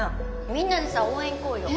みんなでさ応援いこうよ。